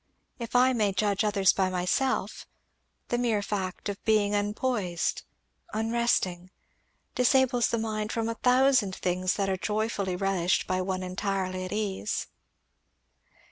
If I may judge others by myself, the mere fact of being unpoised unresting disables the mind from a thousand things that are joyfully relished by one entirely at ease."